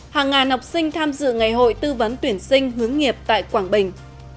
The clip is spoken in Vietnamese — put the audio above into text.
hàng ngàn học sinh tham dự ngày hội tư vấn tuyển sinh hướng nghiệp tại quảng bình